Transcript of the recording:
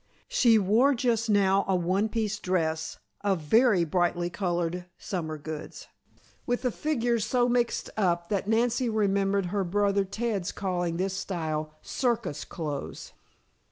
She wore just now a one piece dress of very brightly colored summer goods, with the figures so mixed up that Nancy remembered her brother Ted's calling this style "circus clothes."